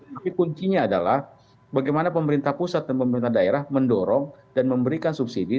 tapi kuncinya adalah bagaimana pemerintah pusat dan pemerintah daerah mendorong dan memberikan subsidi